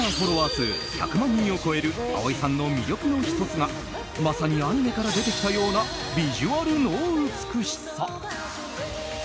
数１００万人を超える蒼井さんの魅力の１つがまさにアニメから出てきたようなビジュアルの美しさ。